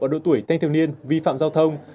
ở độ tuổi thanh thiếu niên vi phạm giao thông